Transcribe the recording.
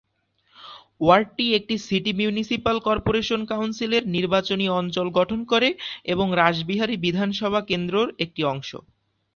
ওয়ার্ডটি একটি city municipal corporation কাউন্সিলের নির্বাচনী অঞ্চল গঠন করে এবং রাসবিহারী বিধানসভা কেন্দ্রর একটি অংশ।